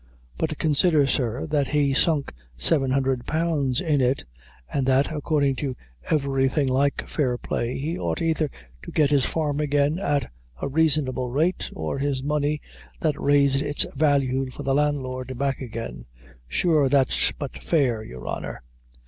"But consider, sir, that he sunk seven hundred pounds in it, an' that, according to everything like fair play, he ought either to get his farm again, at a raisonable rate, or his money that raised its value for the landlord, back again; sure, that's but fair, your honor."